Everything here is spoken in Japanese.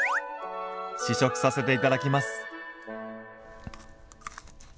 試食させていただきます。